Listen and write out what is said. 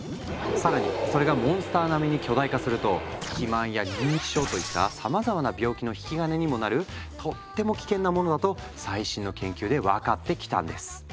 更にそれがモンスター並みに巨大化すると肥満や認知症といったさまざまな病気の引き金にもなるとっても危険なものだと最新の研究で分かってきたんです。